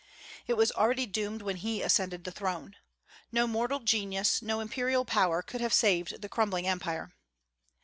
It was already doomed when he ascended the throne. No mortal genius, no imperial power, could have saved the crumbling Empire.